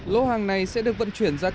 lô hàng này sẽ được vận chuyển ra cảng đường